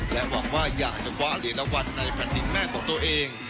และหวังว่าอย่าจะวะเรียนราวรรณ์ในพันธุ์นิ่งแม่ของตัวเอง